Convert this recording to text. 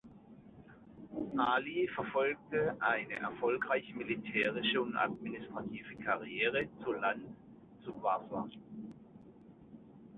Ali verfolgte eine erfolgreiche militärische und administrative Karriere zu Land und zu Wasser.